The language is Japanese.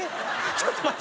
ちょっと待って。